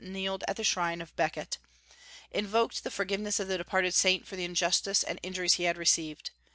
kneeled at the shrine of Becket, invoked the forgiveness of the departed saint for the injustice and injuries he had received.